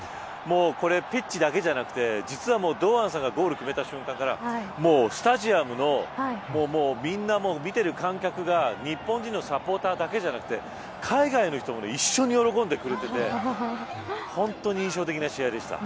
これはピッチだけではなくて堂安さんがゴールを決めた瞬間からスタジアムで見ている観客が日本人のサポーターだけでなくて海外の人も一緒に喜んでくれてて本当に印象的な試合でした。